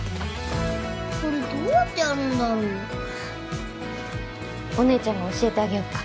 これどうやってやるんだろうお姉ちゃんが教えてあげよっか？